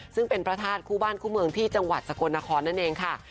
ซึ่งเป็นพระธาตุคู่บ้านคู่เมืองที่จังหวัดสกลนครนั่นเองค่ะ